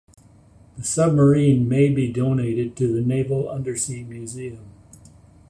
The submarine may be donated to the Naval Undersea Museum.